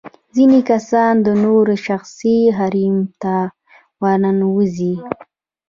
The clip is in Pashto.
ځينې کسان د نورو شخصي حريم ته ورننوزي.